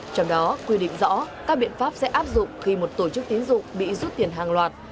trong đó quy định rõ các biện pháp sẽ áp dụng khi một tổ chức tiến dụng bị rút tiền hàng loạt